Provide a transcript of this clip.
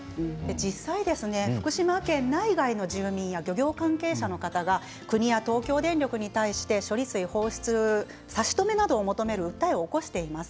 実際、福島県内以外の住民や漁業関係者の方が国や東京電力に対して処理水放出させる差し止めなどを求める訴えを起こしています。